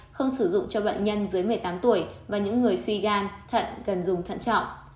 không sử dụng cho bệnh nhân dưới một mươi tám tuổi và những người suy gan thận cần dùng thận trọng